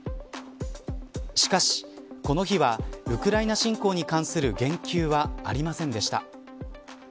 しかし、この日はウクライナ侵攻に関する言及はありませんでした。